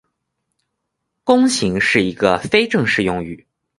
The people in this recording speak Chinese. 弓形是一个非正式用语。